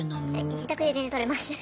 自宅で全然撮れます。